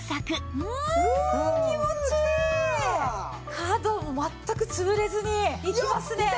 角も全く潰れずにいきますね。